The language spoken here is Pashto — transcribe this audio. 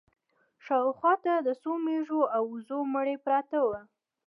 شا و خوا ته د څو مېږو او وزو مړي پراته وو.